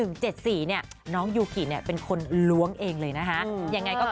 เนี่ยยูกิเนี่ยเป็นคนล้วงเอง